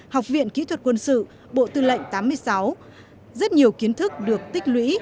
học viện kỹ thuật quân sự bộ tư lệnh tám mươi sáu rất nhiều kiến thức được tích lũy